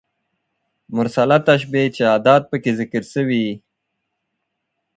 مرسله تشبېه چي ادات پکښي ذکر سوي يي.